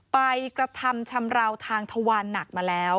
ไปกระทำชำราวทางทวารหนักมาแล้ว